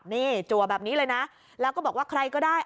นี่จัวแบบนี้เลยนะแล้วก็บอกว่าใครก็ได้